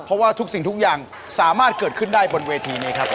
เพราะว่าทุกสิ่งทุกอย่างสามารถเกิดขึ้นได้บนเวทีนี้ครับ